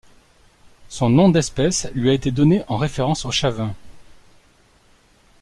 Son nom d'espèce lui a été donné en référence aux Chavín.